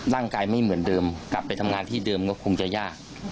ไม่เหมือนเดิมกลับไปทำงานที่เดิมก็คงจะยาก